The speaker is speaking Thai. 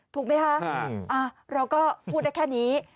ถูกไหมคะเราก็พูดได้แค่นี้